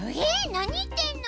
なにいってんの？